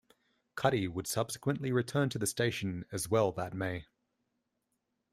Cuddy would subsequently return to the station as well that May.